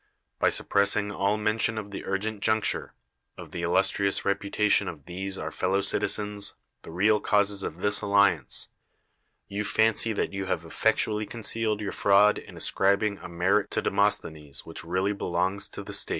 By suppressing all mention of the urgent juncture, of the illustrious reputation of these our fellow citizens, the real causes of this alliance, you fancy that you have effectually con cealed your fraud in ascribing a merit to De mosthenes which really belongs to the state.